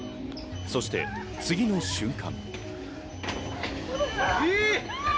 そして次の瞬間。